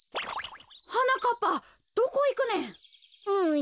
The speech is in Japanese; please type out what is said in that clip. はなかっぱどこいくねん？